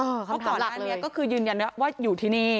คำถามหลักเลยเพราะก่อนแล้วอันเนี้ยก็คือยืนยันว่าอยู่ที่นี่